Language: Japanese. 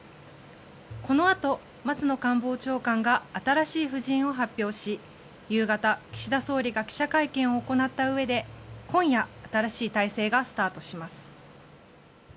このあと松野官房長官が新しい布陣を発表し夕方、岸田総理が記者会見を行ったうえで今夜、新しい体制がスタートします。